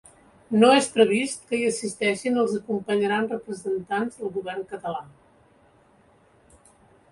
No és previst que hi assisteixin els acompanyaran representants del govern català.